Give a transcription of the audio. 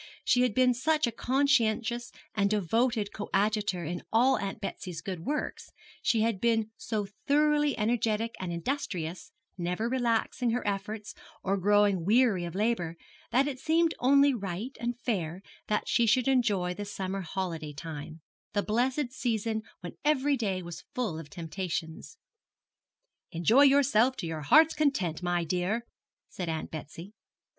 She had been such a conscientious and devoted coadjutor in all Aunt Betsy's good works, she had been so thoroughly energetic and industrious, never relaxing her efforts or growing weary of labour, that it seemed only right and fair that she should enjoy the summer holiday time, the blessed season when every day was full of temptations. 'Enjoy yourself to your heart's content, my dear,' said Aunt Betsy.